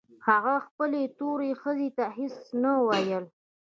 هغه خپلې تورې ښځې ته هېڅ نه ويل.